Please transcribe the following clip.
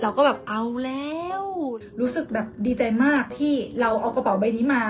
เราก็แบบเอาแล้วรู้สึกแบบดีใจมากที่เราเอากระเป๋าใบนี้มา